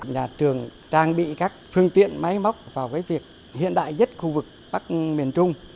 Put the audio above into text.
nhà trường trang bị các phương tiện máy móc vào với việc hiện đại nhất khu vực bắc miền trung